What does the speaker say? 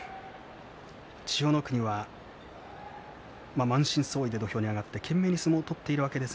千代の国が満身創いで土俵に上がって丁寧に相撲を取っています。